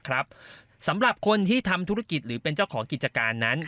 สำหรับคนที่ทำธุรกิจหรือเป็นเจ้าของกิจการนั้น